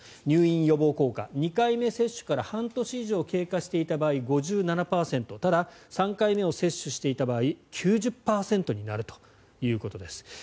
入院予防効果、２回目接種から半年以上経過していた場合ただ、３回目を接種していた場合９０％になるということです。